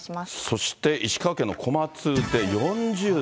そして石川県の小松で４０度。